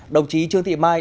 đồng chí trương thị mai